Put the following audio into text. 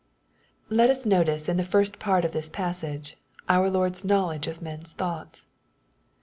Let us notice in the first part of this passage our Lord's knowledge of men's thoughts.